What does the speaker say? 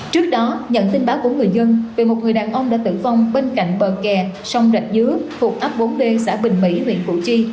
trước đó nhận tin báo của người dân về một người đàn ông đã tử vong bên cạnh bờ kè sông rạch dứa thuộc ấp bốn d xã bình mỹ huyện củ chi